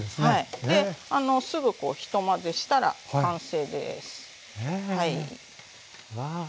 ですぐこうひと混ぜしたら完成です。え！うわ。